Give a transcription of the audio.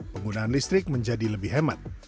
penggunaan listrik menjadi lebih hemat